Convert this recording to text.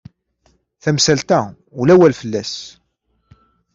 Tamsalt-a ula awal fell-as.